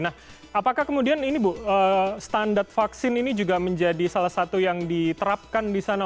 nah apakah kemudian ini bu standar vaksin ini juga menjadi salah satu yang diterapkan di sana